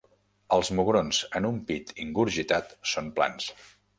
Els mugrons en un pit ingurgitat són plans.